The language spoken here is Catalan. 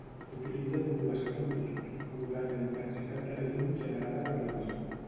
S'utilitza modulació d'amplitud, modulant la intensitat de llum generada per l'emissor.